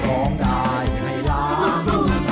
ร้องได้ให้ล้าน